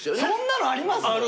そんなのあります？